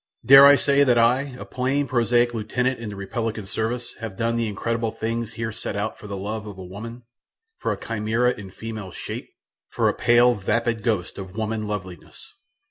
Dare I say that I, a plain, prosaic lieutenant in the republican service have done the incredible things here set out for the love of a woman for a chimera in female shape; for a pale, vapid ghost of woman loveliness?